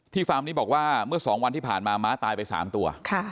ฟาร์มนี้บอกว่าเมื่อ๒วันที่ผ่านมาม้าตายไป๓ตัว